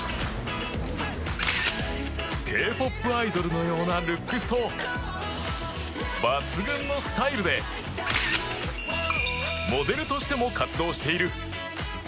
Ｋ−ＰＯＰアイドルのようなルックスと、抜群のスタイルでモデルとしても活動している。